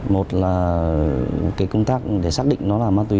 một là công tác để xác định nó là ma túy